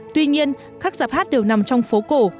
tuy nhiên các giạp hát đều nằm trong phố cổ